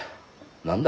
何だ？